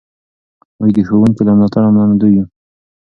موږ د ښوونکي له ملاتړه منندوی یو.